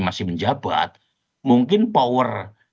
masih menjabat mungkin power